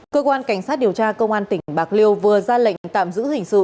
cơ quan cảnh sát điều tra công an tỉnh bạc liêu vừa ra lệnh tạm giữ hình sự